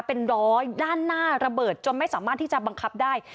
เป็นร้อยด้านหน้าระเบิดจนไม่สามารถที่จะบังคับได้